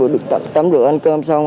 rồi tắm rửa ăn cơm xong